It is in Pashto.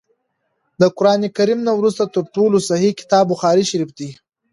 د قران کريم نه وروسته تر ټولو صحيح کتاب بخاري شريف دی